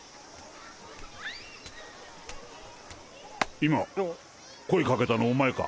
今声かけたのお前か？